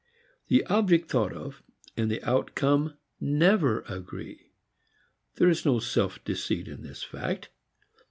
The object thought of and the outcome never agree. There is no self deceit in this fact.